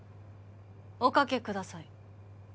おかけください